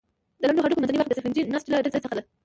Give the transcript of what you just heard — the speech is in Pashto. د لنډو هډوکو منځنۍ برخه د سفنجي نسج له ډلې څخه ده.